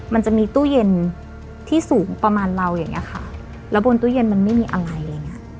มันจะมีตู้เย็นที่สูงประมาณเราอย่างเงี้ยค่ะแล้วบนตู้เย็นมันไม่มีอะไรอะไรอย่างเงี้ย